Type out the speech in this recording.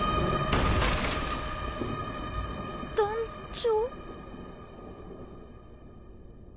団長？